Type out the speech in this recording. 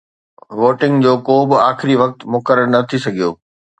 voting جو ڪو به آخري وقت مقرر نه ٿي سگهيو